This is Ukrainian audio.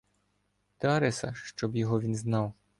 Дареса, щоб його він знав.